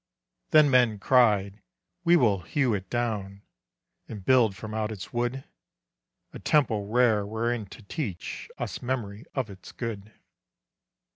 Then men cried, "We will hew it down, And build from out its wood A temple rare wherein to teach Us memory of its good.